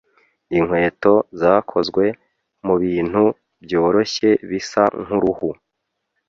Inkweto zakozwe mubintu byoroshye bisa nkuruhu.